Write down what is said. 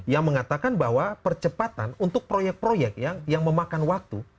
yang mengatakan bahwa percepatan untuk proyek proyek yang memakan waktu